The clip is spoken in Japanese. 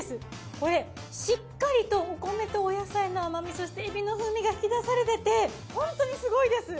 これしっかりとお米とお野菜の甘みそしてエビの風味が引き出されててホントにすごいです。